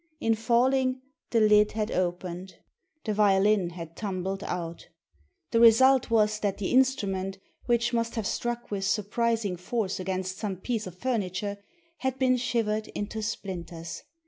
In falling, the lid had opened — the violin had tumbled out The result was that the instrument, which must have struck with surprising force against some piece of furniture, had been shivered into splinters.